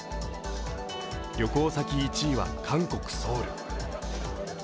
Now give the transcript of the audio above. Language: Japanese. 旅行先１位は韓国ソウル。